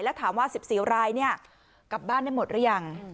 แล้วถามว่า๑๔รายกลับบ้านได้หมดหรือยัง